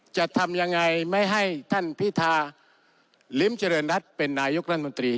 จะทำยังไงไม่ให้ท่านพิธาลิ้มเจริญรัฐเป็นนายกรัฐมนตรี